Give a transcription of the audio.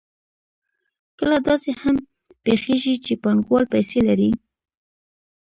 کله داسې هم پېښېږي چې پانګوال پیسې لري